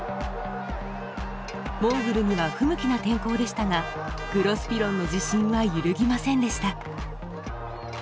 モーグルには不向きな天候でしたがグロスピロンの自信は揺るぎませんでした。